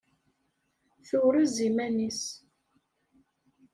Turez iman-is.